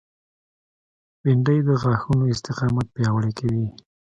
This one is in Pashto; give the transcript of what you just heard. بېنډۍ د غاښونو استقامت پیاوړی کوي